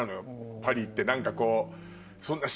パリって何かこう。